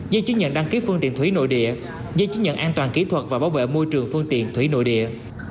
giấy chứng nhận đăng ký phương tiện thủy nội địa giấy chứng nhận an toàn kỹ thuật và bảo vệ môi trường phương tiện thủy nội địa